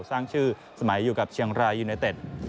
สร้างชื่อสมัยอยู่กับเชียงรายยูเนเต็ด